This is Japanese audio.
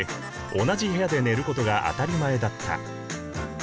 同じ部屋で寝ることが当たり前だった。